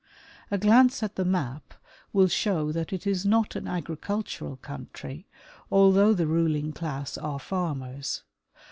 A glance at the map will show that it is not an agricultural country, although the ruling class are farmers.